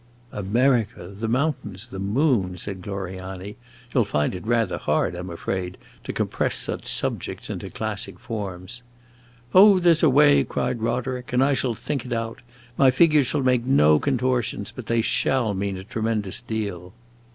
"America the Mountains the Moon!" said Gloriani. "You 'll find it rather hard, I 'm afraid, to compress such subjects into classic forms." "Oh, there 's a way," cried Roderick, "and I shall think it out. My figures shall make no contortions, but they shall mean a tremendous deal."